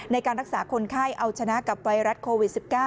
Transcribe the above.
ในการรักษาคนไข้เอาชนะกับไวรัสโควิด๑๙